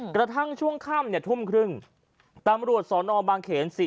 กระทั่งช่วงค่ำทุ่มครึ่งตำรวจสนบางเขน